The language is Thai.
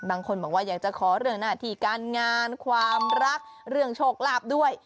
บางคนบอกว่าอยากจะขอเรื่องหน้าที่การงานความรักเรื่องโชคลาภด้วย